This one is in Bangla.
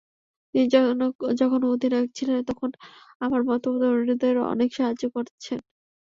তিনি যখন অধিনায়ক ছিলেন, তখন আমার মতো তরুণদের অনেক সাহায্য করেছেন।